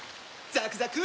ザクザク！